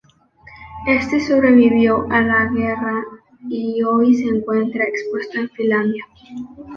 Este sobrevivió a la guerra y hoy se encuentra expuesto en Finlandia.